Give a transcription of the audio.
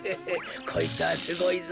こいつはすごいぞ！